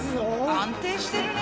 安定してるね。